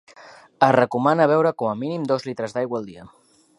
Es recomana beure com a mínim dos litres d'aigua al dia.